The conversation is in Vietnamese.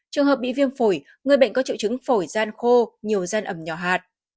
trường hợp bị viêm phổi người bệnh có triệu chứng phổi gian khô nhiều gian ẩm nhỏ hạt